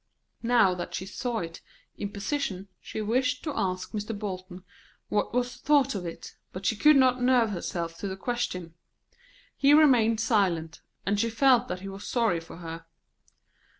Now that she saw it in position she wished to ask Mr. Bolton what was thought of it, but she could not nerve herself to the question. He remained silent, and she felt that he was sorry for her.